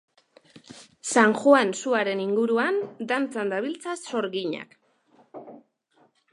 San Juan suaren inguruan dantzan dabiltza sorginak